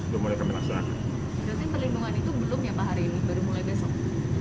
berarti perlindungan itu belum ya pak hari ini baru mulai besok